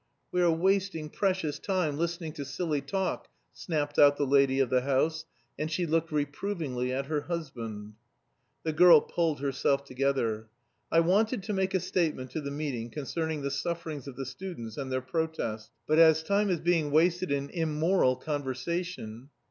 "We are wasting precious time listening to silly talk," snapped out the lady of the house, and she looked reprovingly at her husband. The girl pulled herself together. "I wanted to make a statement to the meeting concerning the sufferings of the students and their protest, but as time is being wasted in immoral conversation..."